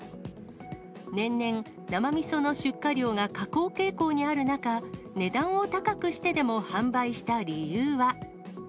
年々、生みその出荷量が下降傾向にある中、値段を高くしてでも販売した理由は。